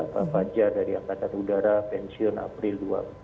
pak fadjar dari angkatan udara pensiun april dua puluh empat